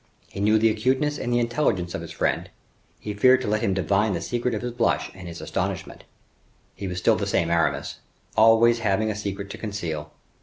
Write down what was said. He knew the acuteness and intelligence of his friend; he feared to let him divine the secret of his blush and his astonishment. He was still the same Aramis, always having a secret to conceal.